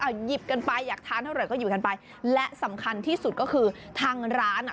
เอาหยิบกันไปอยากทานเท่าไหร่ก็อยู่กันไปและสำคัญที่สุดก็คือทางร้านอ่ะ